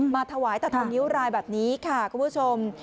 มาถวายตาทองนิ้วรายแบบนี้ค่ะคุณผู้ชม